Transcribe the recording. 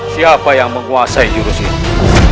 siapa yang menguasai jurus ini